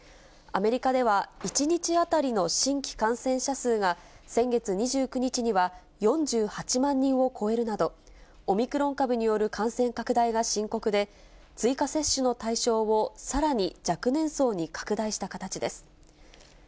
アメリカでは１日当たりの新規感染者数が先月２９日には、４８万人を超えるなど、オミクロン株による感染拡大が深刻で、追加接種の対象をさらに若年層に拡大した形です。